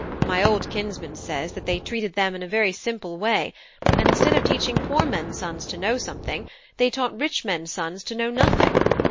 My old kinsman says that they treated them in a very simple way, and instead of teaching poor men's sons to know something, they taught rich men's sons to know nothing.